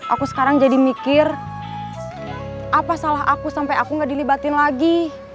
aku sekarang jadi mikir apa salah aku sampai aku gak dilibatin lagi